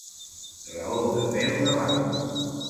Raó de peu de banc.